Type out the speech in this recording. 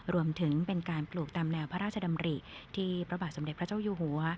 รวมถึงเป็นการปลูกตามแนวพระราชดำริที่พระบาทสมเด็จพระเจ้าอยู่หัว